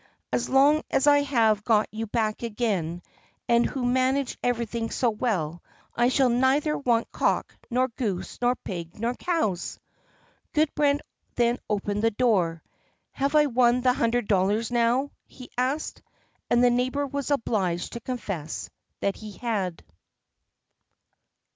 As long as I have got you back again, who manage everything so well, I shall neither want cock, nor goose, nor pig, nor cows." Gudbrand then opened the door. "Have I won the hundred dollars now?" he asked. And the neighbor was obliged to confess that he had.